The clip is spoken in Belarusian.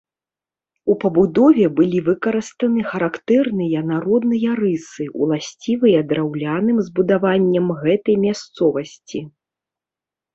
У пабудове былі выкарыстаны характэрныя народныя рысы, уласцівыя драўляным збудаванням гэтай мясцовасці.